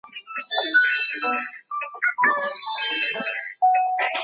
对已恢复的旅游经营活动和场所加强监督指导